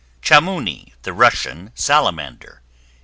CHAMOUNI, THE RUSSIAN SALAMANDER, 1869.